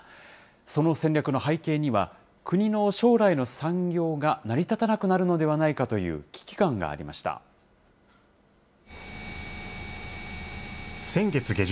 その戦略の背景には、国の将来の産業が成り立たなくなるのではないかという危機感があ先月下旬、